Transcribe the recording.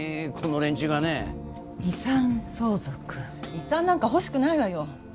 遺産なんか欲しくないわよ。